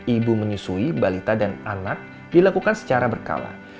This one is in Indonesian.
ibu menyusui balita dan anak dilakukan secara berkala